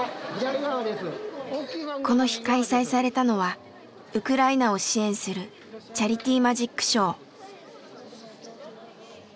この日開催されたのはウクライナを支援するチャリティマジックショー。